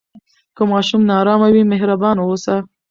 که ماشوم نارامه وي، مهربان اوسه.